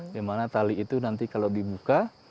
dimana tali itu nanti kalau dibuka